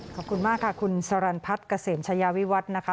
ขอบคุณมากค่ะคุณสรรพัฒน์เกษมชายาวิวัฒน์นะคะ